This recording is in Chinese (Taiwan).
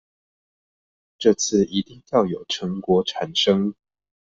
這次一定要有成果產生